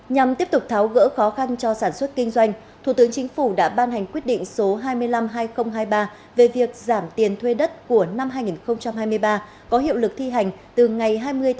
nhằm tiếp tục tháo gỡ khó khăn cho sản xuất kinh doanh thủ tướng chính phủ đã ban hành quyết định số hai mươi năm hai nghìn hai mươi ba về việc giảm tiền thuê đất của năm hai nghìn hai mươi ba có hiệu lực thi hành từ ngày hai mươi